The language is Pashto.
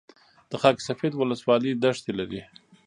د خاک سفید ولسوالۍ دښتې لري